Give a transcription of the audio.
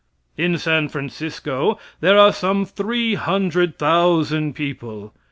In San Francisco there are some three hundred thousand people.